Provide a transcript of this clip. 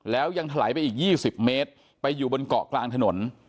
แล้วยังถลายไปอีก๒๐เมตรไปอยู่บนเกาะกลางถนน